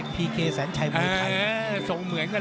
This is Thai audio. พี่เค้แสนชัยมวยชัย